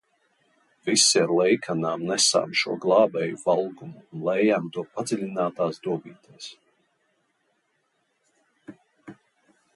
Visi ar lejkannām nesām šo glābēju valgumu un lējām to padziļinātās dobītēs.